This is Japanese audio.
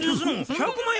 １００万円